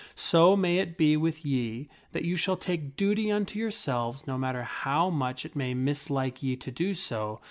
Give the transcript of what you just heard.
/ So may it be with ye that you shall take duty unto yourselves no mat ter how much it may mislike ye to do so.